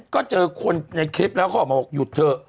ก็เจอคนในคลิปแล้วเขาออกมาบอกหยุดเถอะ